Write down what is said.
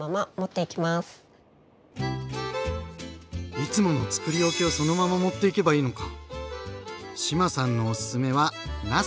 いつものつくり置きをそのまま持っていけばいいのか。